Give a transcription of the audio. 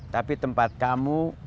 tapi tempat kamu